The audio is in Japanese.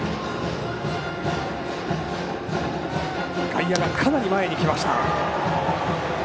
外野がかなり前に来ました。